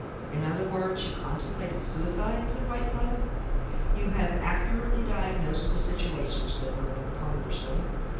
"In other words, you contemplated suicide?" said Whiteside. "You have accurately diagnosed the situation," said Milburgh ponderously.